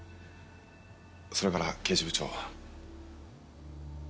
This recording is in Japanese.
それから刑事部長。